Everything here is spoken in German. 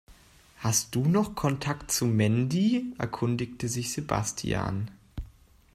Hast du noch Kontakt zu Mandy?, erkundigte sich Sebastian.